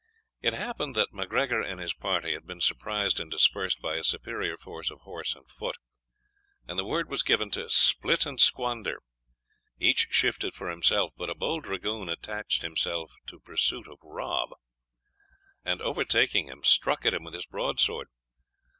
It happened that MacGregor and his party had been surprised and dispersed by a superior force of horse and foot, and the word was given to "split and squander." Each shifted for himself, but a bold dragoon attached himself to pursuit of Rob, and overtaking him, struck at him with his broadsword.